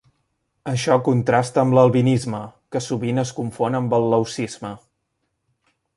Això contrasta amb l'albinisme, que sovint es confon amb el leucisme.